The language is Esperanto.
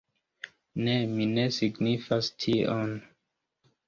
Ne, mi ne signifas tion.